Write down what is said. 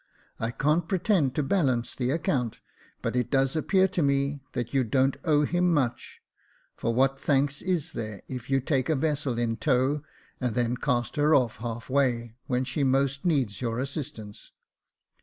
I can't pretend to balance the account, but it does appear to me that you don't owe him much ; for what thanks is there if you take a vessel in tow, and then cast her off, half way, when she most needs your assistance